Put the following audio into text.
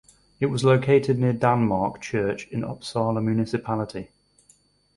It was located near Danmark Church in Uppsala Municipality.